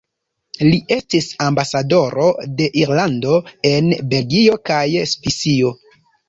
Li estis ambasadoro de Irlando en Belgio kaj Svisio.